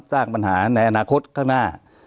สร้างปัญหาในอนาคตข้างหน้า